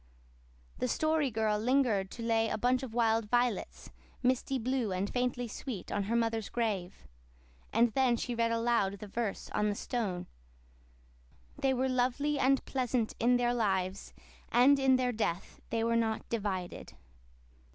The Story Girl lingered to lay a bunch of wild violets, misty blue and faintly sweet, on her mother's grave; and then she read aloud the verse on the stone. "'They were lovely and pleasant in their lives and in their death they were not divided.